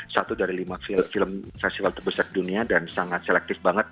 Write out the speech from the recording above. satu dari lima film festival terbesar dunia dan sangat selektif banget